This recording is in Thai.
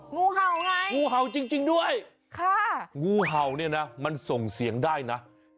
งูเห่าไงงูเห่าจริงด้วยงูเห่าเนี่ยนะมันส่งเสียงได้นะ